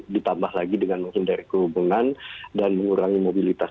ditambah lagi dengan menghindari kerumunan dan mengurangi mobilitas